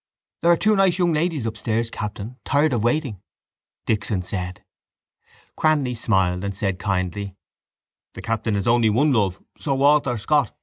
—There are two nice young ladies upstairs, captain, tired of waiting, Dixon said. Cranly smiled and said kindly: —The captain has only one love: sir Walter Scott.